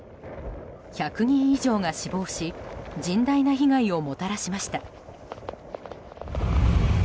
１００人以上が死亡し甚大な被害をもたらしました。